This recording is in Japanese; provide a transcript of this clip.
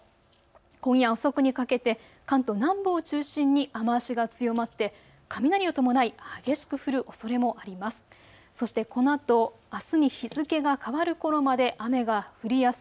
今夜遅くにかけて関東南部を中心に雨足が強まって雷を伴い激しく降るおそれもあります。